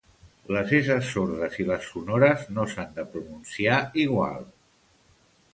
Les esses sordes i les sonores no s'han de pronunciar igual